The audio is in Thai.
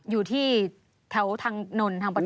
อยู่ที่แถวทางนนทางประท